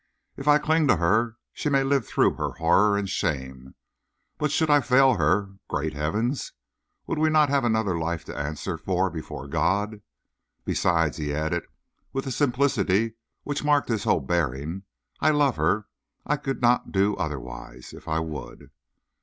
If I cling to her, she may live through her horror and shame; but should I fail her great heavens! would we not have another life to answer for before God? Besides," he added, with the simplicity which marked his whole bearing, "I love her. I could not do otherwise if I would."